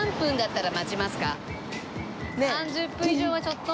３０分以上はちょっと。